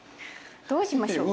どうしましょう。